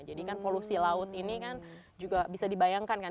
jadi kan polusi laut ini kan juga bisa dibayangkan kan